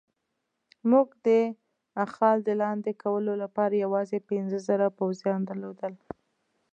موږ د اخال د لاندې کولو لپاره یوازې پنځه زره پوځیان درلودل.